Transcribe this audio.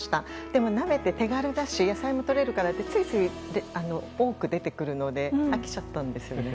でも、鍋って手軽だし野菜もとれるということでついつい多く出てくるので飽きちゃったんですよね。